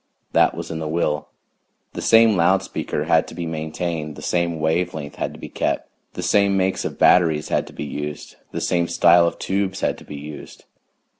That was in the will. The same loud speaker had to be maintained, the same wave length had to be kept, the same makes of batteries had to be used, the same style of tubes had to be used.